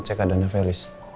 cek keadaannya felis